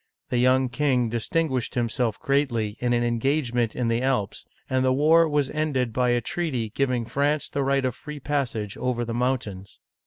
The young king distin guished himself greatly in an engagement in the Alps, and the war was ended by a treaty giving France the right of free passage over the mountains.